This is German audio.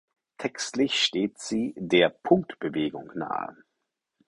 Textlich steht sie der Punkbewegung nahe.